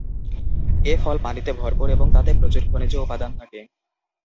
এ ফল পানিতে ভরপুর এবং তাতে প্রচুর খনিজ উপাদান থাকে।